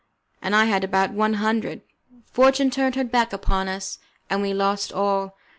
I had about one hundred. Fortune turned her back upon us, and we lost all.